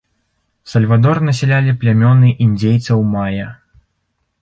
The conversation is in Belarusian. Сальвадор насялялі плямёны індзейцаў мая.